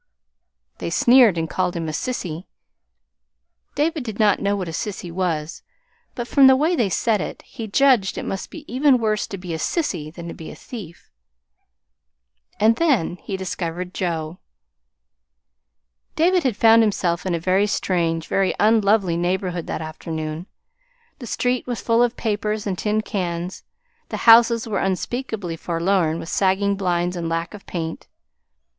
They sneered and called him a sissy. David did not know what a sissy was; but from the way they said it, he judged it must be even worse to be a sissy than to be a thief. And then he discovered Joe. David had found himself in a very strange, very unlovely neighborhood that afternoon. The street was full of papers and tin cans, the houses were unspeakably forlorn with sagging blinds and lack of paint.